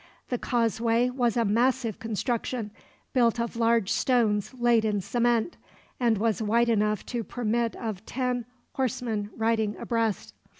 The causeway was a massive construction, built of large stones laid in cement, and was wide enough to permit of ten horsemen riding abreast.